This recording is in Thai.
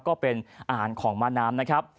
ก็เป็นอาหารของม้าน้ำนะครับ